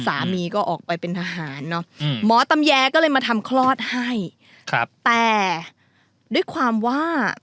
สามีก็ออกไปเป็นทหารเนอะหมอตำแยก็เลยมาทำคลอดให้ครับแต่ด้วยความว่า